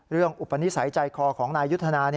เรื่องอุปนิสัยใจคอของนายยุฒนา